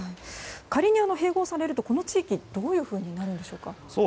仮に併合されるとこの地域はどうなるんでしょうか。